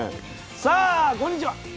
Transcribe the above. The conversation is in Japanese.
さあこんにちは。